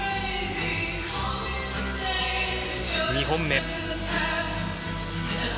２本目。